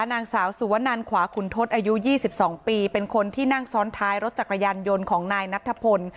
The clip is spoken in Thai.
นางสาวสุวนันขวาขุนทศอายุ๒๒ปีเป็นคนที่นั่งซ้อนท้ายรถจักรยานยนต์ของนายนัทธพล